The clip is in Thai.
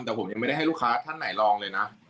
แต่ผมยังไม่ได้ให้ลูกค้าท่านไหนลองเลยนะ